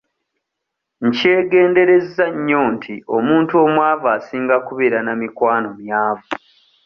Nkyegenderezza nnyo nti omuntu omwavu asinga kubeera na mikwano myavu.